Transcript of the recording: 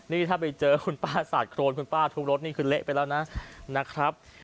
นี่ถ้าไปเจอคุณป้าสาดโครนคุณป้าทุบรถนี่คือเละไปแล้วนะนะครับ